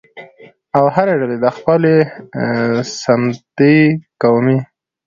او هرې ډلې د خپل سمتي، قومي